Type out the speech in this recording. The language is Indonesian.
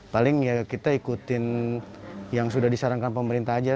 paling ya kita ikutin yang sudah disarankan pemerintah aja